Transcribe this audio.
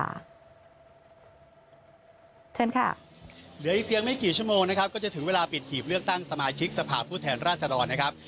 เชิญค่ะเหลืออีกเพียงไม่กี่ชั่วโมงนะครับก็จะถึงเวลาปิดหีบเลือกตั้งสมาชิกสภาพผู้แทนราชดรนะครับ